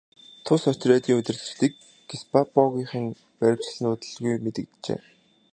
Тус отрядын удирдагчдыг гестапогийнхан баривчилсан нь удалгүй мэдэгджээ.